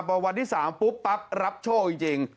ประมาณวันที่สามปุ๊บปั๊บรับโชคจริง